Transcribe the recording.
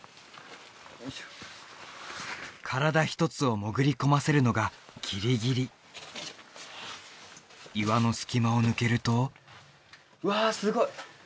よいしょ体一つを潜り込ませるのがギリギリ岩の隙間を抜けるとわあすごい！